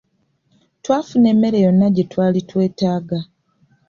Twafuna emmere yonna gye twali twetaaga.